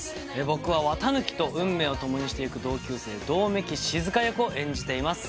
僕は四月一日と運命を共にしていく同級生百目鬼静役を演じています